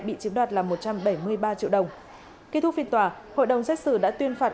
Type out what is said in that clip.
bị chiếm đoạt là một trăm bảy mươi ba triệu đồng kết thúc phiên tòa hội đồng xét xử đã tuyên phạt